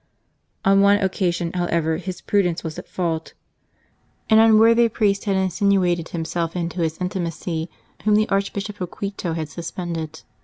On one occasion, however, his prudence was at fault. An unworthy priest had insinuated himself into his intimacy whom the Archbishop of Quito had suspended.